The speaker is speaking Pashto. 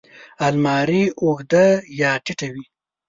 الماري اوږده یا ټیټه وي